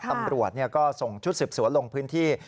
ตำรวจก็ส่งชุดสืบสวนลงพื้นที่